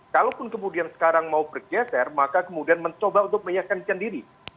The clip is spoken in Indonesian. kalaupun kemudian sekarang mau bergeser maka kemudian mencoba untuk meyakinkan diri